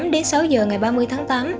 đến sáu h ngày ba mươi tháng tám